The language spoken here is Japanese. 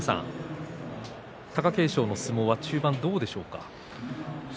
貴景勝の相撲は中盤どうでしたか。